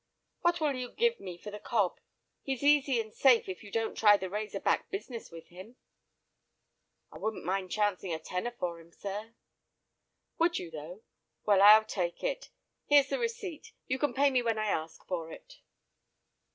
"What will you give me for the cob? he's easy and safe if you don't try the Razor Back business with him?" "I wouldn't mind chancing a tenner for him, sir." "Would you, though? Well, I'll take it. There's the receipt. You can pay me when I ask for it."